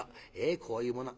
えこういうもの」。